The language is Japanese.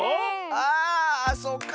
ああそっか。